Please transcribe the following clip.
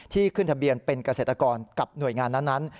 ที่ขึ้นทะเบียนเป็นกระเศรษฐกรกับหน่วยงานนั้น